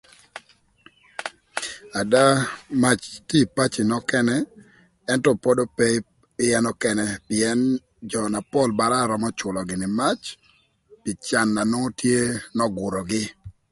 Ada mac tye ï paci nökënë ëntö pod ope ï ën ökënë pïën jö na pol bara römö culo gïnï mac pï can na nwongo tye n'ögürögï